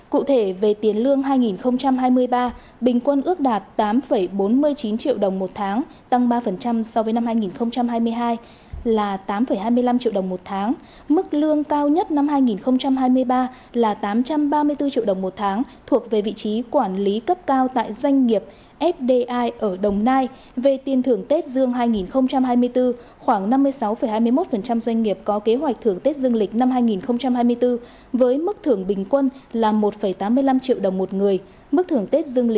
cụ thể về tiền lương hai nghìn hai mươi ba bình quân ước đạt tám hai mươi năm triệu đồng một tháng tăng ba so với năm hai nghìn hai mươi hai là tám hai mươi năm triệu đồng một tháng tăng ba so với năm hai nghìn hai mươi hai là tám hai mươi năm triệu đồng một tháng